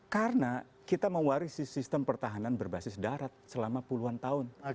karena kita mewarisi sistem pertahanan berbasis darat selama puluhan tahun